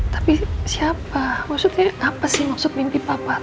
tapi siapa maksudnya apa sih maksud mimpi papa